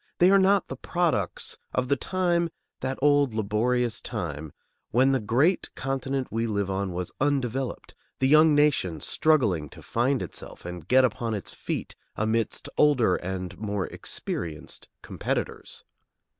They are not the products of the time, that old laborious time, when the great continent we live on was undeveloped, the young nation struggling to find itself and get upon its feet amidst older and more experienced competitors.